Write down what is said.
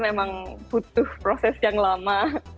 memang butuh proses yang lama